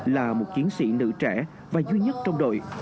là một chiến sĩ nữ trẻ và duy nhất trong đội